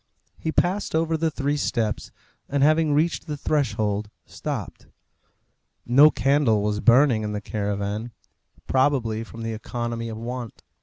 He passed over the three steps; and having reached the threshold, stopped. No candle was burning in the caravan, probably from the economy of want.